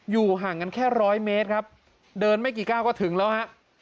อยู่ห่างกันแค่๑๐๐เมตรครับเดินไม่กี่ก้าวก็ถึงแล้วครับ